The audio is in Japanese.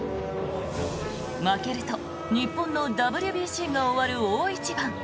負けると日本のＷＢＣが終わる大一番。